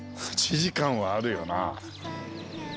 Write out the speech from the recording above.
８時間はあるよなあ。